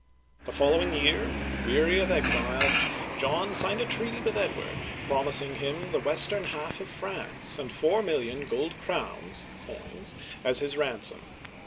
The following year, weary of exile, John signed a treaty with Edward, promising him the western half of France and four million gold crowns (coins) as his ransom.